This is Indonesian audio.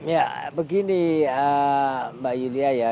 ya begini mbak yulia ya